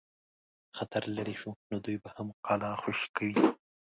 خطر لیري شو نو دوی به هم قلا خوشي کوي.